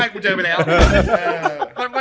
กูเจอไปแล้ว